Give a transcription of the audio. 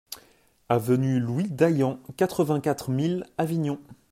Avenue Louis Daillant, quatre-vingt-quatre mille Avignon